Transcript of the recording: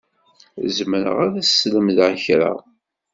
Zemreɣ ad ak-slemdeɣ kra.